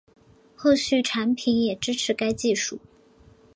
后续产品也支持该技术